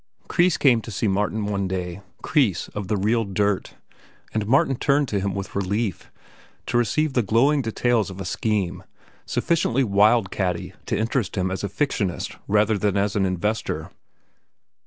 Kreis came to Martin one day—Kreis, of the "real dirt"; and Martin turned to him with relief, to receive the glowing details of a scheme sufficiently wild catty to interest him as a fictionist rather than an investor.